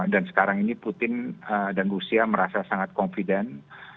dan sekarang ini putin dan rusia merasa sangat confident